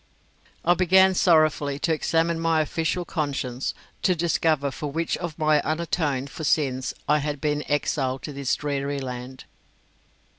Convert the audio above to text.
I began sorrowfully to examine my official conscience to discover for which of my unatoned for sins I had been exiled to this dreary land.